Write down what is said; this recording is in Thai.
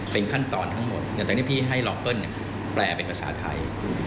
เป็นขั้นตอนทั้งหมดหลังจากที่พี่ให้ลอเปิ้ลแปลเป็นภาษาไทย